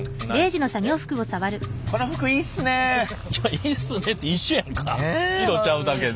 いいっすねって一緒やんか色ちゃうだけで。